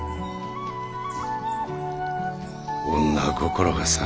女心がさ。